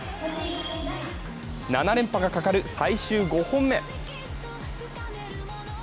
７連覇がかかる、最終５本目。